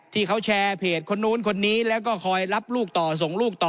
ที่เขาแชร์เพจคนนู้นคนนี้แล้วก็คอยรับลูกต่อส่งลูกต่อ